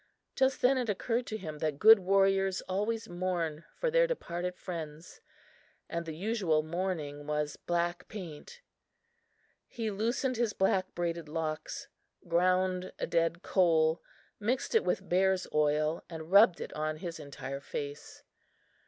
Just then it occurred to him that good warriors always mourn for their departed friends and the usual mourning was black paint. He loosened his black braided locks, ground a dead coal, mixed it with bear's oil and rubbed it on his entire face.